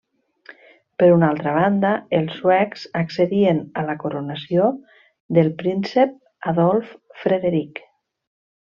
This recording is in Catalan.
Per una altra banda, els suecs accedien a la coronació del príncep Adolf Frederic.